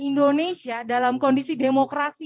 indonesia dalam kondisi demokrasi